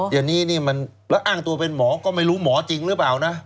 อย่างนี้นี่มันแล้วอ้างตัวเป็นหมอก็ไม่รู้หมอจริงหรือเปล่านะ